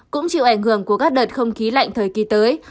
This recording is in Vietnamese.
cũng chịu ảnh hưởng của các đợt không khí lạnh thời kỳ tới